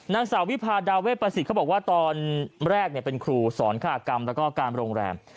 นางสาววิพาดาเวประสิทธิ์เขาบอกว่าตอนแรกเป็นครูสอนคากรรมแล้วก็การโรงแรม